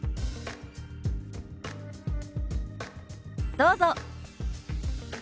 どうぞ。